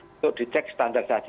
untuk dicek standar haji